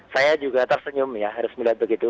saya juga tersenyum ya harus melihat begitu